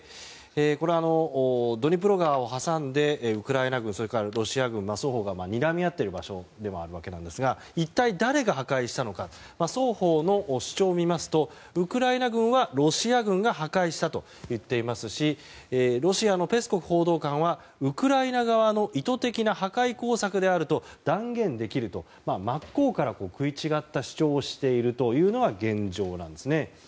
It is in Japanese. これ、ドニエプル川を挟んでウクライナ軍それからロシア軍、双方がにらみ合っている場所でもあるわけですが一体誰が破壊したのか双方の主張を見ますとウクライナ軍はロシア軍が破壊したと言っていますしロシアのペスコフ報道官はウクライナ側の意図的な破壊工作であると断言できると、真っ向から食い違った主張をしているのが現状なんですね。